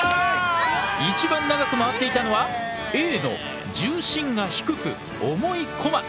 一番長く回っていたのはＡの重心が低く重いコマ。